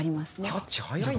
キャッチ早いな！